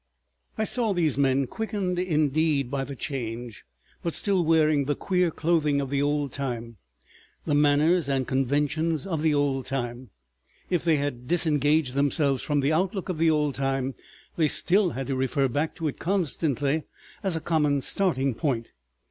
I saw these men quickened indeed by the Change, but still wearing the queer clothing of the old time, the manners and conventions of the old time; if they had disengaged themselves from the outlook of the old time they still had to refer back to it constantly as a common starting point.